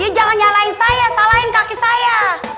dia jangan nyalain saya salahin kaki saya